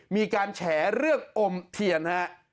มีการแฉเรื่องอมเทียนฮะ